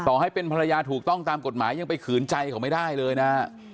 ให้เป็นภรรยาถูกต้องตามกฎหมายยังไปขืนใจเขาไม่ได้เลยนะฮะ